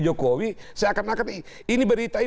jokowi saya akan akan ini beritai